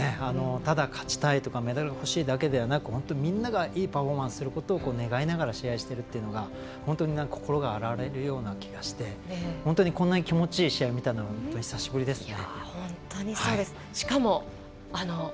ただ勝ちたいとかメダルが欲しいだけではなく本当にみんながいいパフォーマンスをすることを願いながら試合をしているということが心が洗われるような気がしてこんなすばらしい試合を見たのは久しぶりですね。